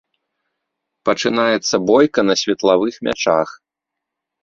Пачынаецца бойка на светлавых мячах.